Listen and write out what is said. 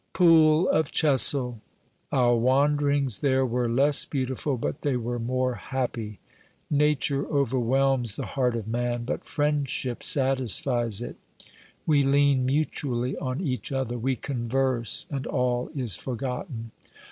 Pool of Chessel ! Our wanderings there were less beau tiful, but they were more happy. Nature overwhelms the heart of man, but friendship satisfies it ; we lean mutually on each other, we converse, and all is forgotten.